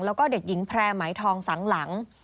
แล้วก็เด็กหญิงแพร่ไหมทองสังหลัง